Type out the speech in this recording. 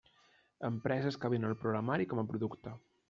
Empreses que venen el programari com a producte.